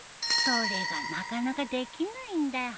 それがなかなかできないんだよ。